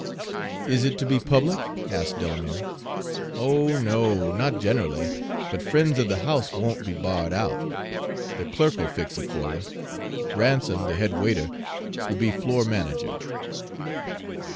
"Is it to be public?" asked Delamere. "Oh, no, not generally, but friends of the house won't be barred out. The clerk 'll fix it for you. Ransom, the head waiter, will be floor manager."